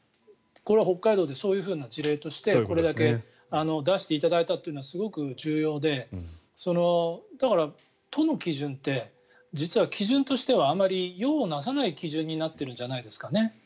これは、北海道でそういう事例としてこれだけ出していただいたというのはすごく重要でだから、都の基準って実は基準としてはあまり用をなさない基準になってるんじゃないですかね。